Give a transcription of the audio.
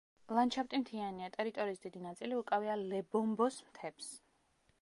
ლანდშაფტი მთიანია, ტერიტორიის დიდი ნაწილი უკავია ლებომბოს მთებს.